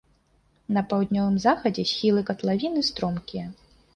На паўднёвым захадзе схілы катлавіны стромкія.